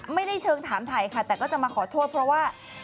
เชิงถามถ่ายค่ะแต่ก็จะมาขอโทษเพราะว่า